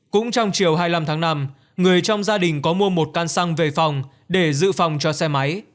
cũng trong chiều hai mươi năm tháng năm người trong gia đình có mua một căn xăng về phòng để dự phòng cho xe máy